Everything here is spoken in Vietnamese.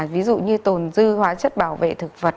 ví dụ như tồn dư hóa chất bảo vệ thực vật